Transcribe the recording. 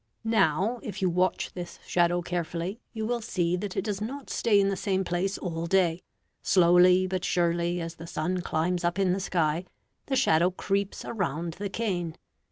Now if you watch this shadow carefully, you will see that it does not stay in the same place all day. Slowly but surely, as the sun climbs up in the sky, the shadow creeps around the cane.